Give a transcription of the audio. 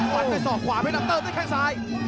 วันเป็นซอกขวาเพชรดำเติบเป็นแค่งซ้าย